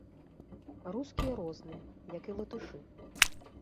Рускія розныя, як і латышы.